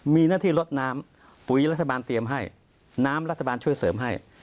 มีหน้าที่ลดน้ำปุ๋ยรัฐบาลเตรียมให้น้ำรัฐบาลช่วยเสริมให้